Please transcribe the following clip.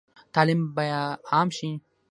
تعلیم به عام شي؟